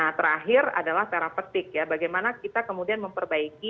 oke nah terakhir adalah terapeptik ya bagaimana kita kemudian memperbaiki sisi hilir